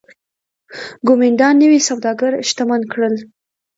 کومېنډا نوي سوداګر شتمن کړل